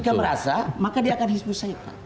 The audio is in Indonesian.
jika merasa maka dia akan hizbul syaitan